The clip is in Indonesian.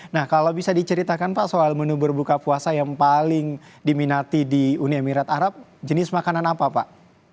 nah kalau bisa diceritakan pak soal menu berbuka puasa yang paling diminati di uni emirat arab jenis makanan apa pak